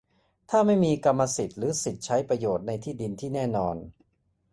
ถ้าไม่มีกรรมสิทธิ์หรือสิทธิ์ใช้ประโยชน์ในที่ดินที่แน่นอน